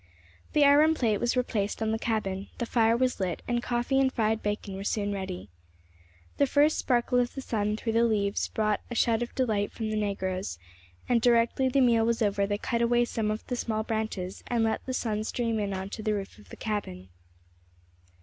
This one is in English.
The iron plate was replaced on the cabin, the fire was lit, and coffee and fried bacon were soon ready. The first sparkle of the sun through the leaves brought a shout of delight from the negroes, and directly the meal was over they cut away some of the small branches and let the sun stream in on to the roof of the cabin.